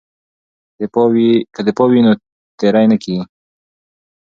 که دفاع وي نو تیری نه کیږي.